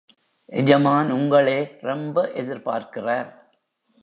எஜமான் உங்களெ ரொம்ப எதிர்பார்க்கிறார்.